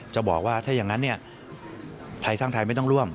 จะบอกว่าถ้าอย่างนั้นไทยสร้างไทยไม่ต้องร่วม